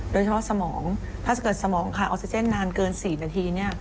สมองถ้าเกิดสมองขาดออกซิเจนนานเกิน๔นาที